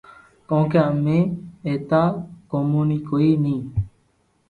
ڪونڪھ امي ايتا گيوني تو ڪوئي ني